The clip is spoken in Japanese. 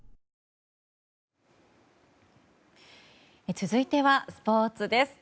続いてはスポーツです。